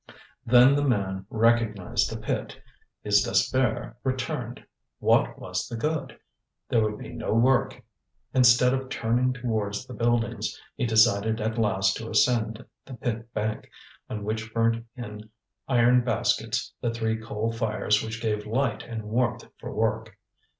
Then the man recognized a pit. His despair returned. What was the good? There would be no work. Instead of turning towards the buildings he decided at last to ascend the pit bank, on which burnt in iron baskets the three coal fires which gave light and warmth for work.